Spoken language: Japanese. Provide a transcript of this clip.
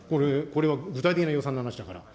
これは具体的な予算の話だから。